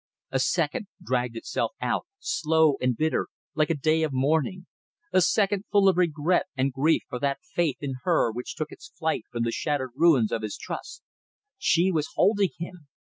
A second dragged itself out, slow and bitter, like a day of mourning; a second full of regret and grief for that faith in her which took its flight from the shattered ruins of his trust. She was holding him!